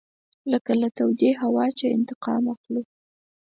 لکه له تودې هوا چې انتقام اخلو.